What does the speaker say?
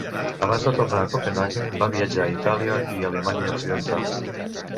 Abans de tornar a Copenhaguen, van viatjar a Itàlia i Alemanya Occidental.